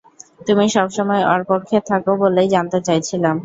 তুমি সবসময় ওর পক্ষে থাকো বলেই জানতে চাইছিলাম।